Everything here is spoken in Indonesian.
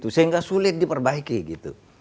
sehingga sulit diperbaiki gitu